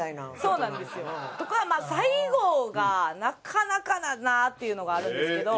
そうなんですよ。とか最後がなかなかだなっていうのがあるんですけど。